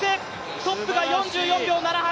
トップが４４秒７８。